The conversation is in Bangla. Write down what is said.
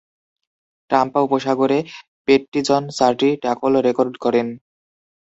টাম্পা উপসাগরে, পেট্টিজন চারটি ট্যাকল রেকর্ড করেন।